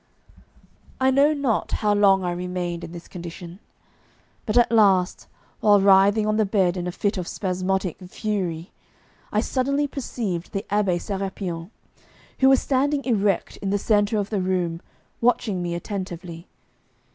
I know not how long I remained in this condition, but at last, while writhing on the bed in a fit of spasmodic fury, I suddenly perceived the Abbé Sérapion, who was standing erect in the centre of the room, watching me attentively.